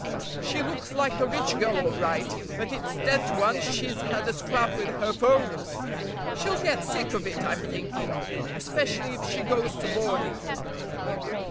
"She looks like a rich girl all right, but it's ten to one she's had a scrap with her folks! She'll get sick of it, I'm thinking, especially if she goes to boarding."